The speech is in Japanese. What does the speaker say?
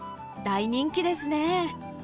大人気ですね。